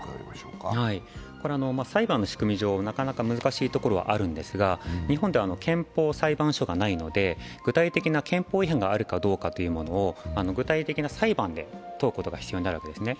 裁判の仕組み上、なかなか難しいところがあるんですが日本では憲法裁判所がないので具体的な憲法違反があるかどうかというものを具体的な裁判で問うことが必要になるわけですね。